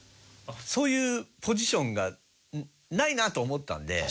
そういうポジションがないなと思ったんで